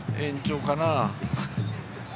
延長かな？